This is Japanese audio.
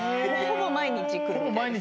ほぼ毎日来る？